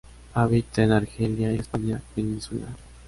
Habita en Argelia y la España peninsular.